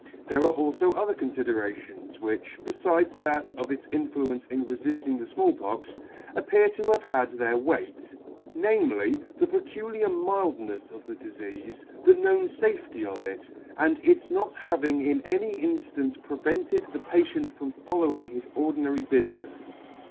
'There are alfo other confiderations which, befides that of its influence in refilling the Small Pox, appear to have had their weight ; namely, the peculiar mildnefs of the difeafe, the known fafety of it, and its not having in any inflance prevented the patient from following his ordinary bufinefs.